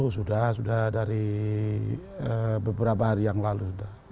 sudah sudah dari beberapa hari yang lalu sudah